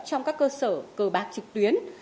trong các cơ sở cờ bạc trực tuyến